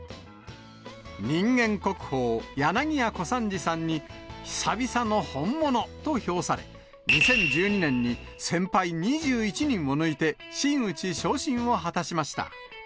人間国宝、柳家小三治さんに、久々の本物と評され、２０１２年に先輩２１人を抜いて、真打昇進を果たしました。